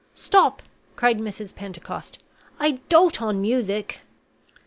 "Stop!" cried Mrs. Pentecost; "I dote on music."